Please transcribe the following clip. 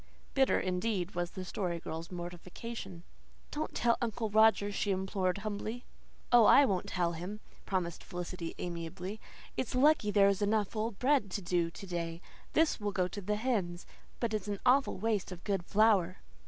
Bitter indeed was the poor Story Girl's mortification. "Don't tell Uncle Roger," she implored humbly. "Oh, I won't tell him," promised Felicity amiably. "It's lucky there's enough old bread to do to day. This will go to the hens. But it's an awful waste of good flour."